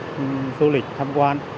cho du lịch tham quan